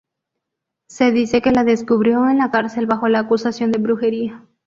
Se dice que la descubrió en la cárcel bajo la acusación de brujería.